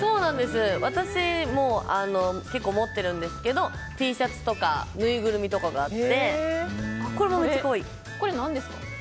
私、結構持ってるんですけどＴシャツとかぬいぐるみとかあって。